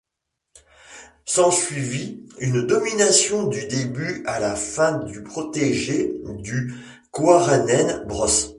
S'ensuivit une domination du début à la fin du protégé du Koiranen Bros.